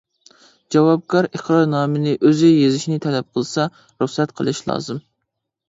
جاۋابكار ئىقرارنامىنى ئۆزى يېزىشنى تەلەپ قىلسا، رۇخسەت قىلىشى لازىم.